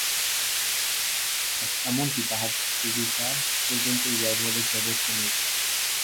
এমন কি, তাহার কবিতা পর্যন্ত এই ব্যাবহারিক জগৎকে লইয়া।